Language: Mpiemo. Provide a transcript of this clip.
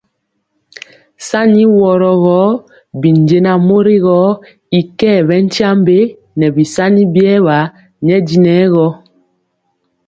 Sani woro gɔ binjɛnaŋ mori gɔ y kɛɛ bɛ tyiambe nɛ bisani biewa nyɛ dinɛ gɔ.